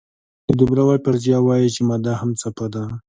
د دوبروی فرضیه وایي چې ماده هم څپه ده.